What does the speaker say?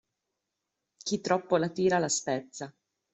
Chi troppo la tira la spezza.